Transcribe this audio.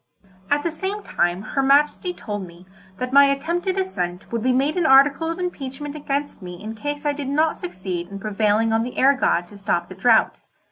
At the same time her Majesty told me that my attempted ascent would be made an article of impeachment against me in case I did not succeed in prevailing on the air god to stop the drought.